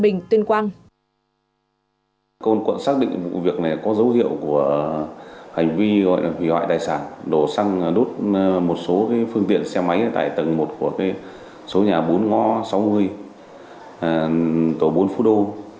công an quận xác định vụ việc này có dấu hiệu của hành vi gọi hủy hoại tài sản đổ xăng đốt một số phương tiện xe máy tại tầng một của số nhà bốn ngõ sáu mươi tổ bốn phú đô